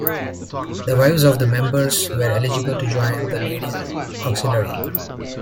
The wives of the members were eligible to join the Ladies Auxiliary.